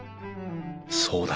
そうだ。